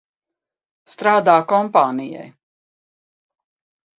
Strādā kompānijai.